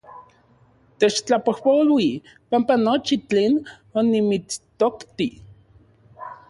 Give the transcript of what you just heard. Techtlapojpolui panpa nochi tlen onimitstokti